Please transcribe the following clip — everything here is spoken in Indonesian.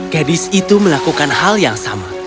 gadis itu melakukan hal yang sama